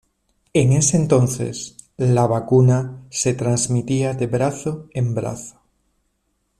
En ese entonces, la vacuna se transmitía de brazo en brazo.